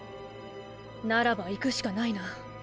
ならば行くしかないな。